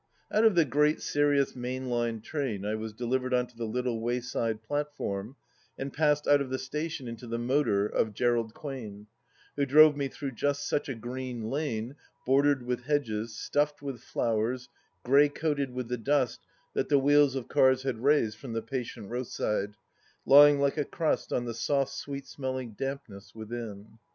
Out of the great serious main line train I was delivered on to the little wayside platform and passed out of the station into the motor of Gerald Quain, who drove me through just such a green lane, bordered with hedges, stuffed with flowers, grey coated with the dust that the wheels of cars had raised from the patient roadside, lying like a crust on the soft sweet smelling dampness within.